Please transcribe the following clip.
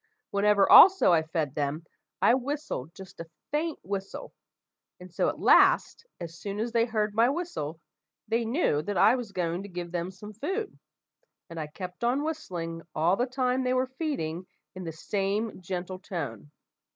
Whenever also I fed them, I whistled just a faint whistle, like this. And so, at last, as soon as they heard my whistle, they knew that I was going to give them some food, and I kept on whistling all the time they were feeding in the same gentle tone.